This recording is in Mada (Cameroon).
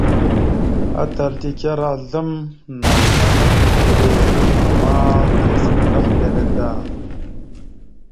Atal tekara azlam (naləmana) pipile ama tazam ɗaf lele da.